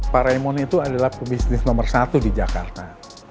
pak raymond itu adalah pebisnis nomor satu di jakarta